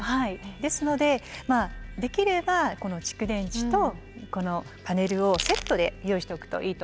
ですのでまあできればこの蓄電池とこのパネルをセットで用意しておくといいと思います。